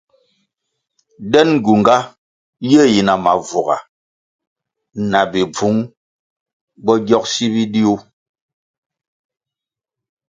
Den gyunga ye yina mavuga, na bibvung bo gyogsi bidiu.